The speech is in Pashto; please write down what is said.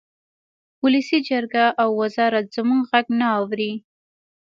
ولسي جرګه او وزارت زموږ غږ نه اوري